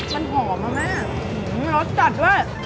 มันหอมมากรสจัดด้วย